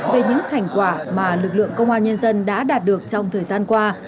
về những thành quả mà lực lượng công an nhân dân đã đạt được trong thời gian qua